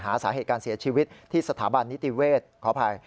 หาสาเหตุการเสียชีวิตที่สถาบันนิติเวศขออภัย